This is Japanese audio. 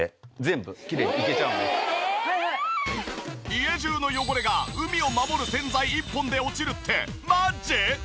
家中の汚れが海をまもる洗剤一本で落ちるってマジ！？